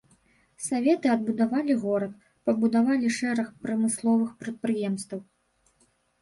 Саветы адбудавалі горад, пабудавалі шэраг прамысловых прадпрыемстваў.